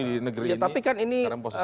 di negeri ini tapi kan ini